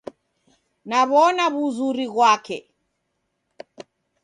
Naw'ona w'uzuri ghwake.